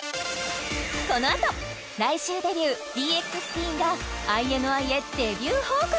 このあと来週デビューＤＸＴＥＥＮがＩＮＩへデビュー報告！